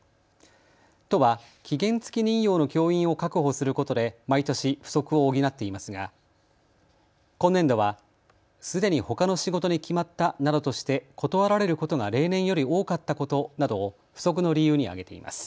都は、期限付き任用の教員を確保することで毎年、不足を補っていますが今年度はすでにほかの仕事に決まったなどとして断られることが例年より多かったことなどを不足の理由に挙げています。